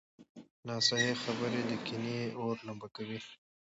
ناصحيح خبرې د کینې اور لمبه کوي.